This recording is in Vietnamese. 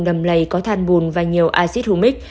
đầm lầy có than bùn và nhiều acid humic